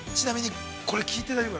◆これ、聞いて大丈夫？